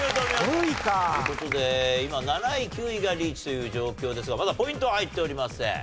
５位か。という事で今７位９位がリーチという状況ですがまだポイントは入っておりません。